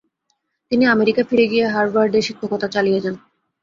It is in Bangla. তিনি আমেরিকা ফিরে গিয়ে হার্ভার্ডে শিক্ষকতা চালিয়ে যান।